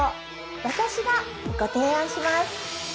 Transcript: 私がご提案します